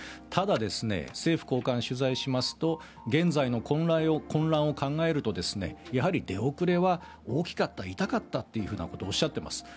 ただ、政府高官を取材しますと現在の混乱を考えるとやはり出遅れは大きかった痛かったということをおっしゃっています。